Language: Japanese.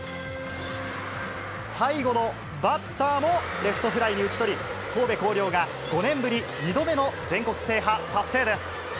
最後のバッターもレフトフライに打ち取り、神戸弘陵が５年ぶり２度目の全国制覇達成です。